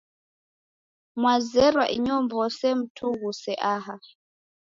Mwazerwa inyow'ose mtughuse aha.